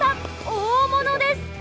大物です！